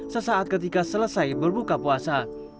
sesaat ketika selesai berbuka puasa